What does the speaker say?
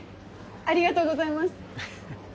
ありがとうございます。